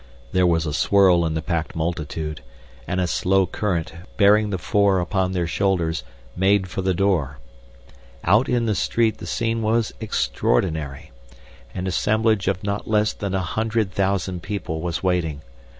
There was a swirl in the packed multitude, and a slow current, bearing the four upon their shoulders, made for the door. Out in the street the scene was extraordinary. An assemblage of not less than a hundred thousand people was waiting.